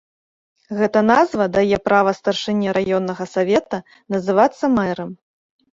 Гэта назва дае права старшыне раённага савета называцца мэрам.